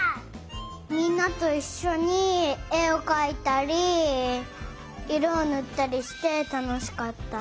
みんなといっしょにえをかいたりいろをぬったりしてたのしかった。